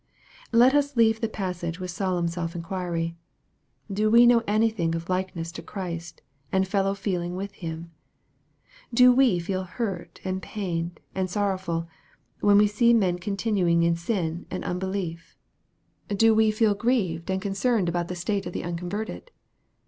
Let us leave the passage with solemn self inquiry. Do we know anything of likeness to Christ, and fellow feeling with Him ? Do we feel hurt, and pained, and sorrow ful, when we see men continuing in sin and unbelief ? MARK, CHAP. VIII. 157 Do we feel grieved and concerned about the state of the unconverted